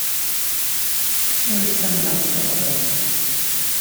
Ur ttamneɣ s teɣdemt.